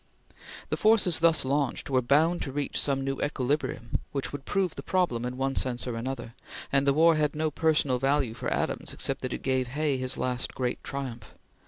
The forces thus launched were bound to reach some new equilibrium which would prove the problem in one sense or another, and the war had no personal value for Adams except that it gave Hay his last great triumph.